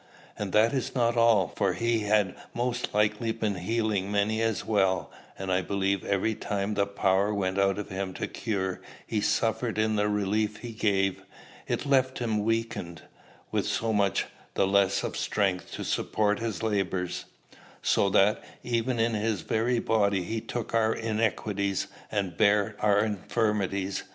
And that's not all; for he had most likely been healing many as well; and I believe every time the power went out of him to cure, he suffered in the relief he gave; it left him weakened, with so much the less of strength to support his labors, so that, even in his very body, he took our iniquities and bare our infirmities.